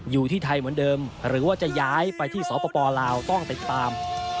อยู่ที่ไทยเหมือนเดิมหรือว่าจะย้ายไปที่สปลาวต้องติดตาม